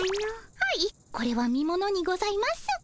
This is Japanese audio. はいこれは見ものにございます。